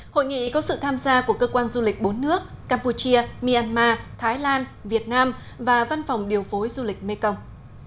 hội nghị có sự tham gia của cơ quan du lịch bốn nước campuchia myanmar thái lan việt nam và văn phòng điều phối du lịch mekong